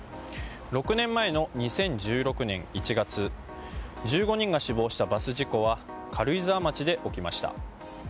６年前の２０１６年１月１５人が死亡したバス事故は軽井沢町で起きました。